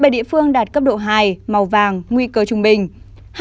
bảy địa phương đạt cấp độ hai màu vàng nguy cơ trung bình